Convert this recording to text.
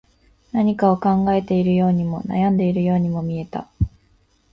何かを考えているようにも、悩んでいるようにも見えた